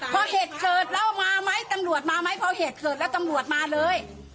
พอเหตุเกิดแล้วมาไหมตำรวจมาไหมพอเหตุเกิดแล้วตำรวจมาเลย